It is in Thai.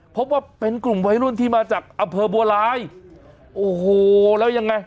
พบว่าเป็นกลุ่มวัยรุ่นที่มาจากอำเภอบัวลายโอ้โหแล้วยังไง